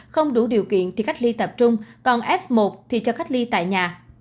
không đủ điều kiện thì cách ly tập trung còn f một thì cho cách ly tại nhà